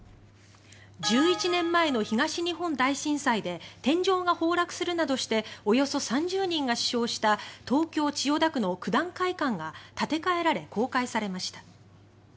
１１年前の東日本大震災で天井が崩落するなどしておよそ３０人が死傷した東京・千代田区の九段会館が建て替えられ、公開されました。